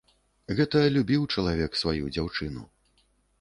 Гэта любіў чалавек сваю дзяўчыну.